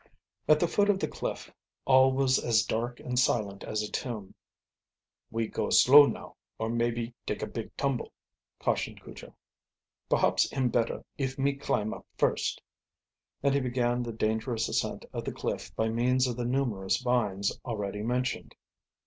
At the foot of the cliff all was as dark and silent as a tomb. "We go slow now, or maybe take a big tumble," cautioned Cujo. "Perhaps him better if me climb up first," and he began the dangerous ascent of the cliff by means of the numerous vines already mentioned.